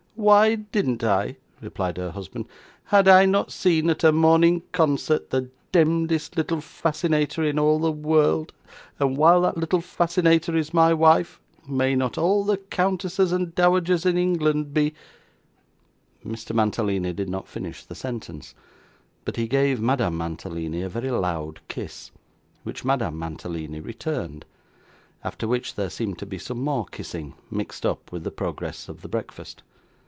'Why didn't I!' replied her husband. 'Had I not seen, at a morning concert, the demdest little fascinator in all the world, and while that little fascinator is my wife, may not all the countesses and dowagers in England be ' Mr. Mantalini did not finish the sentence, but he gave Madame Mantalini a very loud kiss, which Madame Mantalini returned; after which, there seemed to be some more kissing mixed up with the progress of the breakfast.